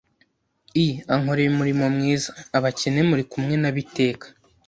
i :«Ankoreye umurimo mwiza ! Abakene muri kumwe na bo iteka;